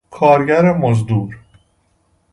کارگر مزدور